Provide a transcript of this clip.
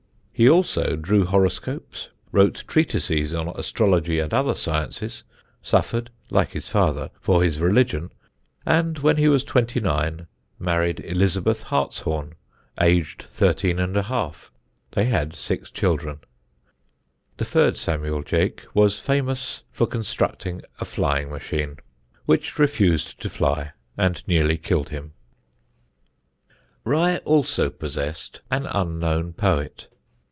He also drew horoscopes, wrote treatises on astrology and other sciences, suffered, like his father, for his religion, and when he was twenty nine married Elizabeth Hartshorne, aged thirteen and a half. They had six children. The third Samuel Jeake was famous for constructing a flying machine, which refused to fly, and nearly killed him. Rye also possessed an unknown poet.